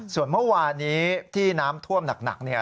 ส่วนเมื่อวานี้ที่น้ำท่วมหนัก